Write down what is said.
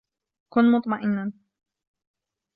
كن مطمئنّا.